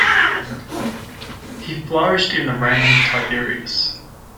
He flourished in the reign of Tiberius.